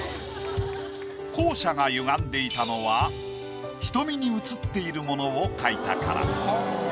校舎が歪んでいたのは瞳に映っているものを描いたから。